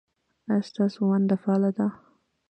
ایا ستاسو ونډه فعاله ده؟